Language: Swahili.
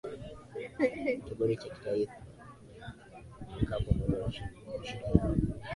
kiburi cha kitaifa kunakaa pamoja na shida yao